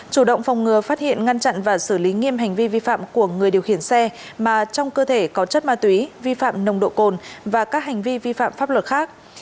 chủ động phòng ngừa phát hiện ngăn chặn và xử lý nghiêm hành vi vi phạm của người điều khiển xe mà trong cơ thể có chất ma túy vi phạm nồng độ cồn và các hành vi vi phạm pháp luật khác